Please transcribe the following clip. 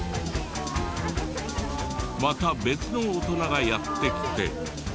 また別の大人がやって来て。